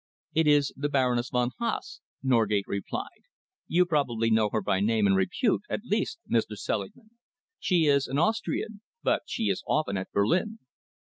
"It is the Baroness von Haase," Norgate replied. "You probably know her by name and repute, at least, Mr. Selingman. She is an Austrian, but she is often at Berlin."